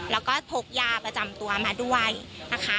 แล้วก็พกยาประจำตัวมาด้วยนะคะ